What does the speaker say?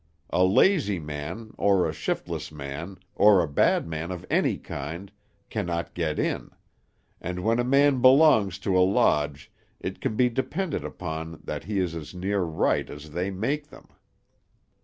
A lazy man, or a shiftless man, or a bad man of any kind, cannot get in; and when a man belongs to a lodge, it can be depended upon that he is as near right as they make them.